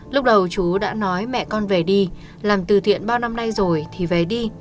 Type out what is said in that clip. lúc đầu chú đã nói mẹ con về đi làm từ thiện bao năm nay rồi thì về đi